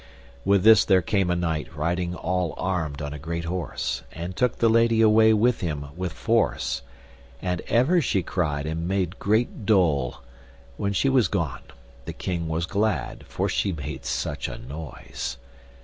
With this there came a knight riding all armed on a great horse, and took the lady away with him with force, and ever she cried and made great dole. When she was gone the king was glad, for she made such a noise.